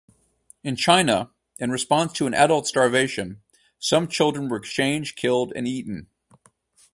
In China, in response to adult starvation, some children were exchanged, killed, and eaten.